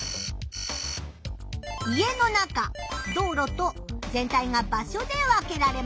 家の中道路と全体が場所で分けられました。